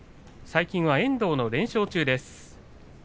最近は遠藤の連勝中です。